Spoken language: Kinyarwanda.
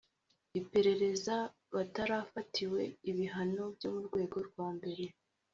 iperereza batarafatiwe ibihano byo mu rwego rwambere